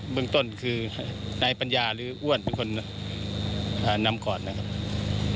เมืองต้นคือนายปัญญาหรืออ้วนเป็นคนนำก่อนนะครับ